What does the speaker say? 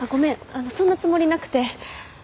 あのそんなつもりなくて。